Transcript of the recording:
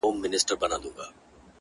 د څه ووايم سرې تبې نيولی پروت دی _